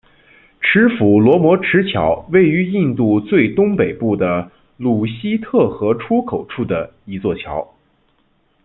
持斧罗摩池桥位于印度最东北部的鲁西特河出山口处的一座桥。